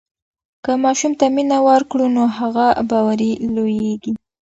که ماشوم ته مینه ورکړو نو هغه باوري لویېږي.